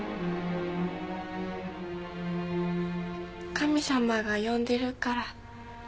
神様が呼んでるから。